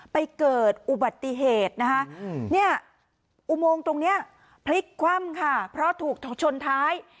เกิดอุบัติเหตุนะคะเนี่ยอุโมงตรงนี้พลิกคว่ำค่ะเพราะถูกชนท้าย